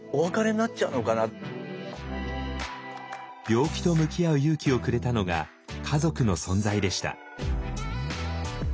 病気と向き合う勇気をくれたのが家族の存在でした。